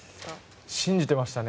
信じてましたね。